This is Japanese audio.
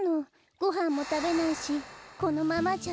ごはんもたべないしこのままじゃ。